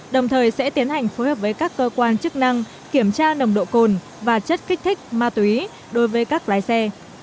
đồng thời sẽ tiến hành phối hợp với các cơ quan chức năng kiểm tra nồng độ cồn và chất kích thích ma túy đối với các lái xe